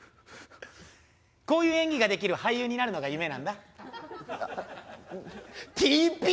こういう演技ができる俳優になるのが夢なんだ。